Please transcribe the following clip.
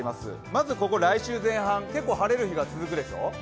まずここ来週前半、結構晴れる日が続くでしょう？